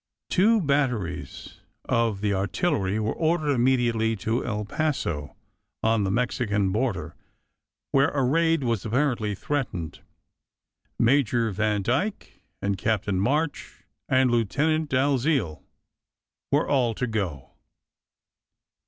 Two batteries of the th Artillery were ordered immediately to El Paso, on the Mex ican border, where a raid was apparently threatened. Major Vandyke and Captain March and Lieutenant Dal ziel were all to go.